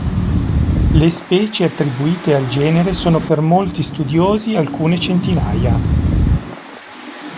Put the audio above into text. Le specie attribuite al genere sono per molti studiosi alcune centinaia.